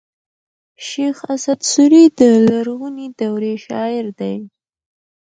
شېخ اسعد سوري د لرغوني دورې شاعر دﺉ.